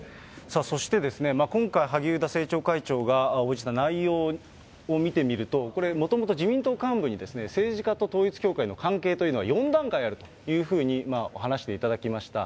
そして今回、萩生田政調会長が応じた内容を見てみると、これ、もともと自民党幹部に政治家と統一教会の関係というのは４段階あるというふうに話していただきました。